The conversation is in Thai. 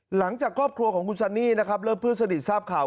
หลังจากครอบครัวของคุณซันนี่เริ่มเพื่อนสนิทที่ทราบข่าว